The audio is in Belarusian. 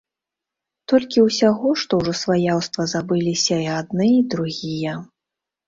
Толькі ўсяго што ўжо сваяўства забыліся й адны і другія.